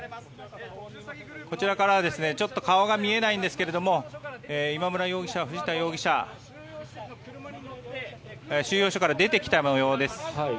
こちらからはちょっと顔が見えないんですが今村容疑者、藤田容疑者収容所から出てきた模様です。